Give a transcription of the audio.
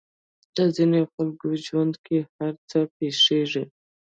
د ځينې خلکو ژوند کې هر څه پېښېږي.